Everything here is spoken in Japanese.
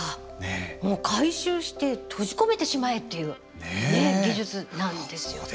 もう回収して閉じ込めてしまえっていう技術なんですよね。